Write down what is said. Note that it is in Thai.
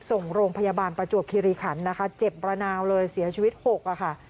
ส่งโรงพยาบาลประจวบคิริขันนะคะเจ็บระนาวเลยเสียชีวิตหกอะค่ะ